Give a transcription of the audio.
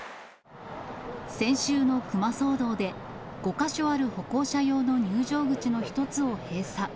先週のクマ騒動で、５か所ある歩行者用の入場口の１つを閉鎖。